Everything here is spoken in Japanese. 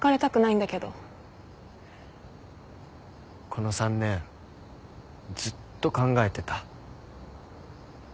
この３年ずっと考えてた。